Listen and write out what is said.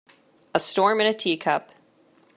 A storm in a teacup